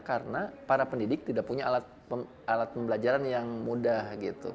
karena para pendidik tidak punya alat pembelajaran yang mudah